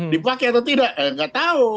dipakai atau tidak ya nggak tahu